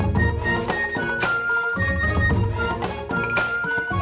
nages chlank conengku serat